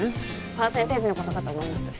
パーセンテージのことかと思います